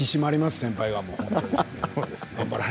先輩は。